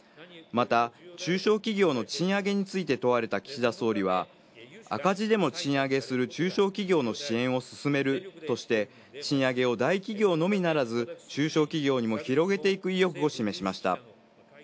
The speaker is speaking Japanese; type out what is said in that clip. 中小企業の賃上げについてとわれ岸田総理は赤字でも賃上げする中小企業の支援を進めるとして、大企業のみならず中小企業にも広げていく意欲を示しました。